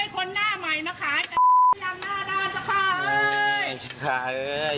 เขาห้ามไม่ให้คนหน้าใหม่มาขายแต่ยังหน้านานเฉพาะเฮ้ย